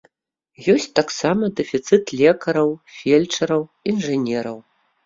Ёсць таксама дэфіцыт лекараў, фельчараў, інжынераў.